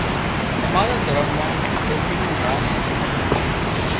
امارا دهرم مان سوڪرِي نُون مانَ سي